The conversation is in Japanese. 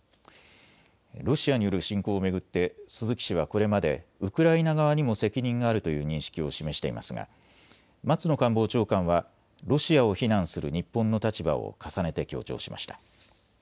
ロシアによる侵攻を巡って鈴木氏はこれまでウクライナ側にも責任があるという認識を示していますが松野官房長官はロシアを非難する日本の立場を重ねて強調しました。